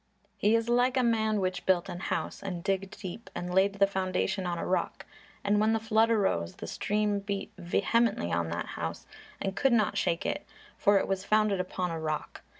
He is like a man which built an house, and digged deep, and laid the foundation on a rock; and when the flood arose, the stream beat vehemently upon that house, and could not shake it; for it was founded upon a rock.